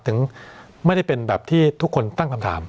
ถึงไม่ได้เป็นแบบที่ทุกคนตั้งคำถาม